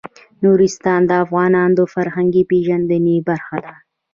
نورستان د افغانانو د فرهنګي پیژندنې برخه ده.